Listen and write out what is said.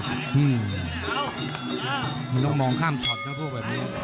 มันต้องมองข้ามช็อตนะพวก